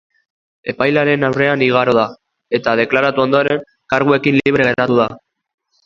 Epailearen aurrean igaro da, eta deklaratu ondoren, karguekin libre geratu da.